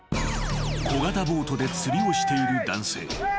［小型ボートで釣りをしている男性］